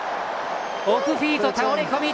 オフフィート、倒れ込み。